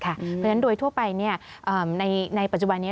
เพราะฉะนั้นโดยทั่วไปในปัจจุบันนี้